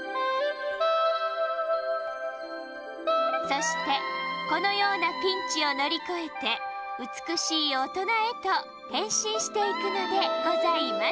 そしてこのようなピンチをのりこえてうつくしいおとなへとへんしんしていくのでございます。